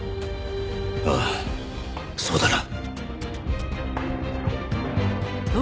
ああそうだな。